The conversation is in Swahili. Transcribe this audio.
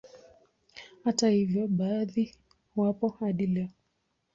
Hata hivyo baadhi wapo hadi leo